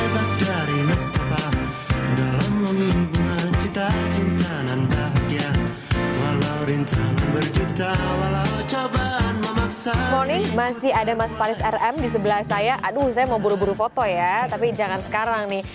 mas faris rm di sebelah saya aduh saya mau buru buru foto ya tapi jangan sekarang nih